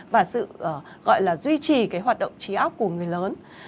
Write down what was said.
và sự gọi là duy trì cái hoạt động trí ốc của người lớn